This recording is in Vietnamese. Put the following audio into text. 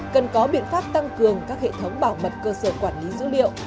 cần có biện pháp tăng cường các hệ thống bảo mật cơ sở quản lý dữ liệu